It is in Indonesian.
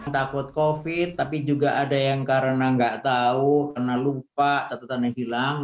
takut covid tapi juga ada yang karena nggak tahu karena lupa catatannya hilang